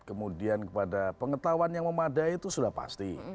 kemudian kepada pengetahuan yang memadai itu sudah pasti